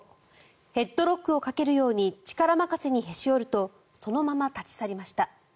ヘッドロックをかけるように力任せにへし折るとそのまま立ち去りました。